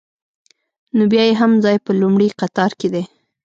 نو بیا یې هم ځای په لومړي قطار کې دی.